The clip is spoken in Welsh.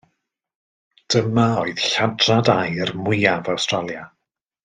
Dyma oedd lladrad aur mwyaf Awstralia.